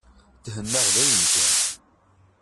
Thennaɣ dayen kan.